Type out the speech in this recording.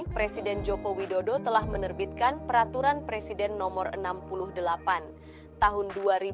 presiden joko widodo telah menerbitkan peraturan presiden nomor enam puluh delapan tahun dua ribu dua puluh